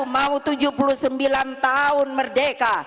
mau tujuh puluh sembilan tahun merdeka